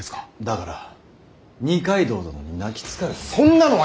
だから二階堂殿に泣きつかれたのだ。